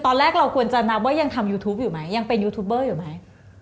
ตอนแรกควรจะนับว่ายังทำยูทูปยังเป็นอยู่มั้ย